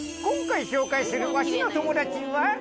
今回紹介するワシの友達は？